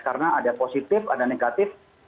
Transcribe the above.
karena ada positif ada negatif